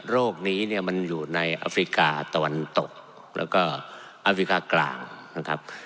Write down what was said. โรคนี้เนี่ยมันอยู่ในอฟริกาตะวันตกแล้วก็อัฟริกากลางนะครับ